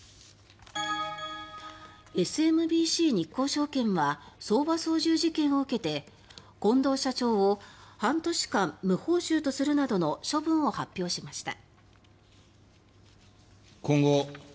ＳＭＢＣ日興証券は相場操縦事件を受けて近藤社長を半年間無報酬とするなどの処分を発表しました。